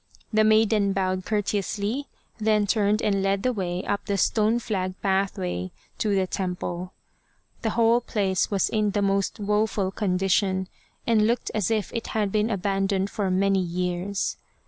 The maiden bowed courteously, then turned and led the way up the stone flagged pathway to the temple. The whole place was in the most woeful condition, and looked as if it had been abandoned for many years.